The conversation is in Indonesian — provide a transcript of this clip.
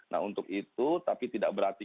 nah untuk itu tapi tidak berarti